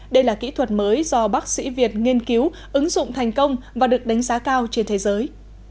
đây là kỹ thuật mới do bác sĩ việt nghiên cứu ứng dụng thành công và được đánh giá cao trên thế giới